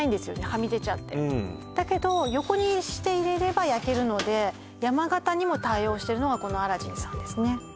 はみ出ちゃってだけど横にして入れれば焼けるので山型にも対応してるのがこのアラジンさんですね